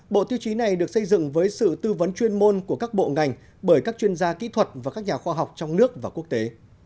bộ tiêu chí này được xây dựng với sự tư vấn chuyên môn của các bộ ngành bởi các chuyên gia kỹ thuật và các nhà khoa học trong nước và quốc tế